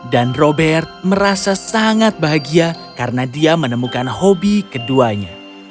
dan robert merasa sangat bahagia karena dia menemukan hobi keduanya